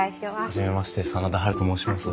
初めまして真田ハルと申します。